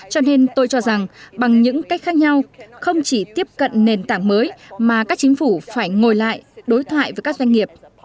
cho nên tôi cho rằng bằng những cách khác nhau không chỉ tiếp cận nền tảng mới mà các chính phủ phải ngồi lại đối thoại với các doanh nghiệp